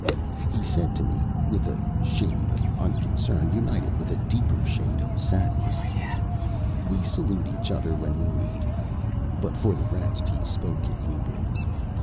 He said to me, with a shade of unconcern united with a deeper shade of sadness: "We salute each other when we meet." But, for the rest, he spoke in Hebrew.